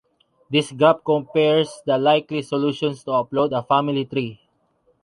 This graph compares the likely solutions to upload a family tree.